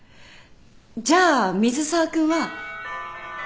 じゃあ水沢君は。